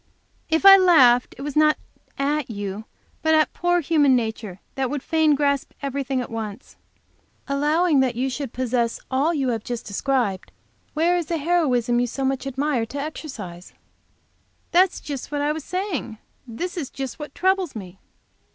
"If I laughed it was not at you, but at poor human nature that would fain grasp everything at once. Allowing that you should possess all you have just described, where is the heroism you so much admire for exercise?" "That is just what I was saying. That is just what troubles me."